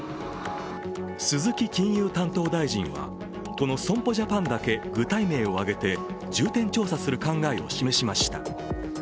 鈴木金融担当大臣はこの損保ジャパンだけ具体名を挙げて重点調査する考えを示しました。